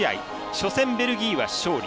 初戦、ベルギーは勝利。